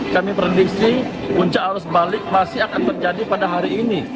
kami prediksi puncak arus balik masih akan terjadi pada hari ini